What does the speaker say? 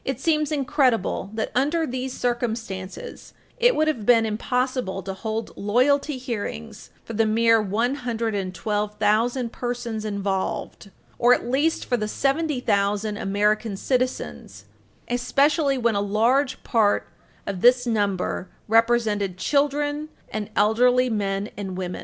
242 seems incredible that, under these circumstances, it would have been impossible to hold loyalty hearings for the mere 112,000 persons involved or at least for the 70,000 American citizens especially when a large part of this number represented children and elderly men and women.